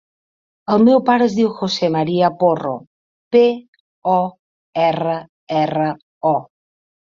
El meu pare es diu José maria Porro: pe, o, erra, erra, o.